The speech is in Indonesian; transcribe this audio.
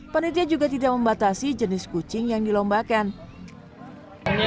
panitia juga tidak membatasi jenis kucing yang dilombakan